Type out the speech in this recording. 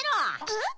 えっ？